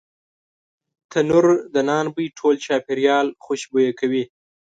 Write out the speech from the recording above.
تنور د نان بوی ټول چاپېریال خوشبویه کوي